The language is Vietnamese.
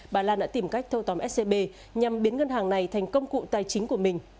bà lan đã tìm cách thâu tóm scb nhằm biến ngân hàng này thành công cụ tài chính của mình